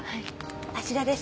あちらです。